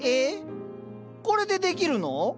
これでできるの？